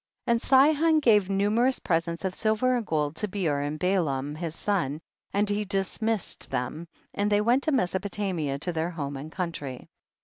22. And Sihon gave numerous presents of silver and gold to Beor and Balaam his son, and he dismissed them, and they went to Mesopotamia to their home and country.